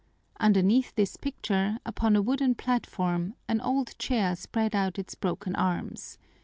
Underneath this picture, upon a wooden platform, an old chair spread out its broken arms.